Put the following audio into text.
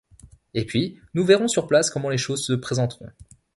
Et puis, nous verrons sur place comment les choses se présenteront.